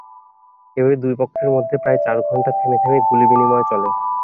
এভাবে দুই পক্ষের মধ্যে প্রায় চার ঘণ্টা থেমে থেমে গুলিবিনিময় চলে।